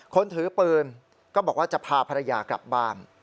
คนถือปืนก็บอกว่าจะพาภรรยากลับบ้าน